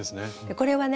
これはね